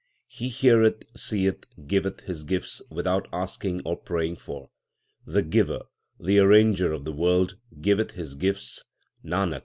He heareth, seeth, giveth His gifts without asking or praying for. The Giver, the Arranger of the world giveth His gifts, Nanak, and true is He.